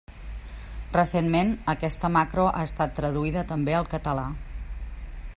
Recentment, aquesta macro ha estat traduïda també al català.